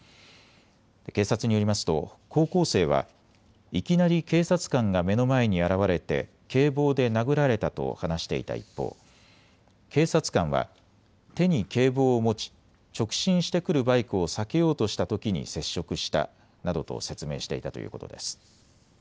警察によりますと高校生はいきなり警察官が目の前に現れて警棒で殴られたと話していた一方、警察官は手に警棒を持ち直進してくるバイクを避けようとしたときに接触したなどと説明していたということです。